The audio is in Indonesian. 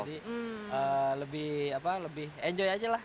jadi lebih enjoy aja lah